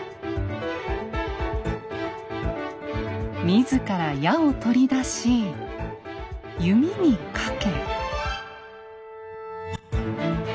自ら矢を取り出し弓にかけ。